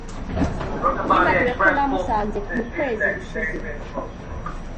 Nibagiwe ko namusanze mukwezi gushize.